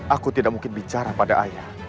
aku tidak mungkin bicara pada ayah